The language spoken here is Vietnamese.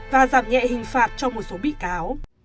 và giảm nhẹ hình phạt cho một số bị cáo